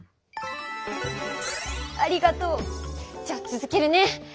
ありがとう。じゃあつづけるね。